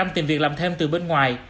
ba mươi bảy tìm việc làm thêm từ bên ngoài